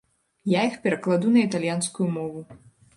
Я іх перакладу на італьянскую мову.